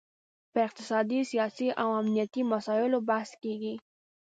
پر اقتصادي، سیاسي او امنیتي مسایلو بحث کیږي